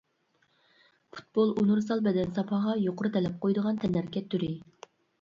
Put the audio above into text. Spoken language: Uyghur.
پۇتبول ئۇنىۋېرسال بەدەن ساپاغا يۇقىرى تەلەپ قويىدىغان تەنھەرىكەت تۈرى.